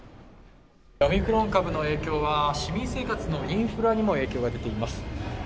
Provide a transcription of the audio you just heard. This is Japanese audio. オミクロン株の影響は市民生活のインフラにも影響が出ています